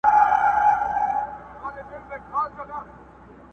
هره توره، هر میدان، او تورزن زما دی٫